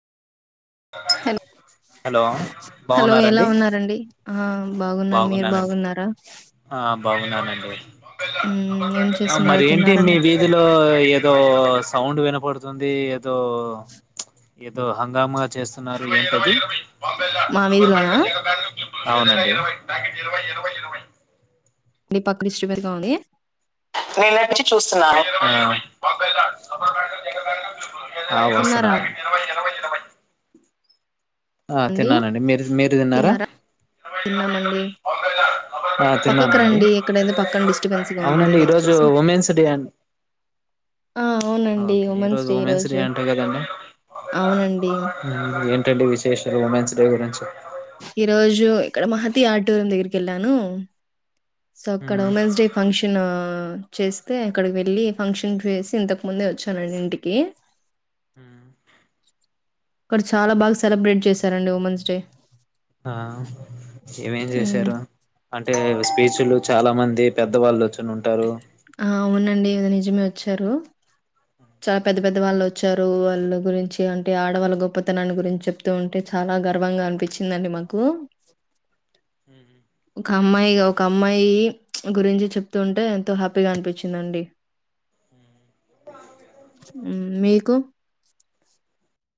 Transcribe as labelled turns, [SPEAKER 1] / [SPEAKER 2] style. [SPEAKER 1] Hello
[SPEAKER 2] hello
[SPEAKER 1] hello ఎలా
[SPEAKER 2] బాగున్నారండి
[SPEAKER 1] ఉన్నారండి ఆ బాగున్నాను మీరు
[SPEAKER 2] బాగున్నానండి
[SPEAKER 1] బాగున్నార
[SPEAKER 2] ఆ బాగున్నానండి
[SPEAKER 1] ఏం చేస్తున్నారో
[SPEAKER 2] మరి ఏంటి మీ
[SPEAKER 1] తిన్నారండి
[SPEAKER 2] వీధిలో ఏదో సౌండ్ విన పొడుతుంది ఏదో ఏదో హంగామ చేస్తున్నారు ఏంటది
[SPEAKER 1] మా వీధలోన
[SPEAKER 2] అవున
[SPEAKER 1] ని పక్కడిస్టబేర్ గా ఉంది చూస్తున్నారు
[SPEAKER 2] ఆ ఆ
[SPEAKER 1] తిన్నారా
[SPEAKER 2] వస్తున్నాండి ఆ
[SPEAKER 1] అండి
[SPEAKER 2] తిన్నానండి మీరు తి మీరు తిన్నారా
[SPEAKER 1] తిన్నామండి
[SPEAKER 2] ఆ
[SPEAKER 1] పక్కకు
[SPEAKER 2] తిన్నానండి
[SPEAKER 1] రండి ఎక్కడై పక్కన డిస్టబెన్స్గా ఉంది.
[SPEAKER 2] అవునండి ఈరోజు
[SPEAKER 1] దయచేసి
[SPEAKER 2] ఉమెన్స్ డే అం
[SPEAKER 1] ఆ అవునండి.
[SPEAKER 2] ఓకే
[SPEAKER 1] ఉమెన్స్
[SPEAKER 2] ఈరోజు
[SPEAKER 1] డే ఈ రోజు
[SPEAKER 2] అంట కదండి
[SPEAKER 1] అవునండి. మ్
[SPEAKER 2] ఇంకేటి విశేషాలు ఉమెన్స్ డే గురించి
[SPEAKER 1] ఈ రోజు ఇక్కడ మహతి ఆటూరం దగ్గరికి వెళ్ళాను. సో అక్కడ
[SPEAKER 2] మ్మ్
[SPEAKER 1] ఉమెన్స్ డే ప్ ఫంక్షన్ చేస్తే అక్కడికి వెళ్ళి ఫంక్షన్ చేసి ఇంతకు ముందే వచ్చానండి. ఇంటికి క్కడ్ చాలా బాగా సెలబ్రేట్ చేశారండి ఉమెన్స్ డే
[SPEAKER 2] ఆ ఏమేం
[SPEAKER 1] హ్మ్.
[SPEAKER 2] చేశారు అంటే స్పీచ్లు చాలా మంది పెద్దవాళ్ళోచ్
[SPEAKER 1] అవునండి మీద నిజమే వచ్చారు చాలా పెద్ద పెద్ద వాళ్ళు వచ్చారు వాళ్ళ గురించి అంటే ఆడవాళ్ళ గొప్పతనాన్ని గురించి చెప్తూ ఉంటే చాలా గర్వంగా అనిపించిందండి మాకు ఒక అమ్మాయి ఒక అమ్మాయి గురించి చెప్తూ ఉంటే ఎంతో హ్యాపీగా అనిపించిందండి మీకు